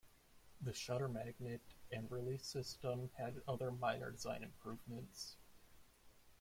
The shutter magnet and release system had other minor design improvements.